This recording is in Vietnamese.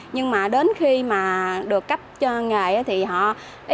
nhưng mà đến khi mà được cấp cho nghề